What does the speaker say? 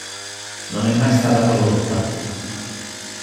Non è stata mai prodotta.